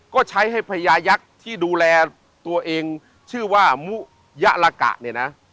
ก็ใช้ให้พญายักษ์ที่ดูแลตัวเองชื่อว่ามุยะลากะเนี่ยนะ